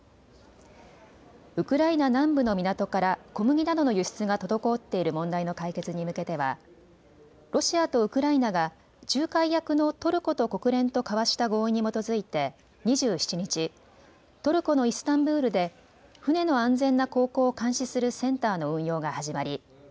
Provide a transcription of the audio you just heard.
ウクライナ南部の港から小麦などの輸出が滞っている問題の解決に向けてはロシアとウクライナが仲介役のトルコと国連と交わした合意に基づいて２７日、トルコのイスタンブールで船の安全な航行を監視するセンターの運用が始まり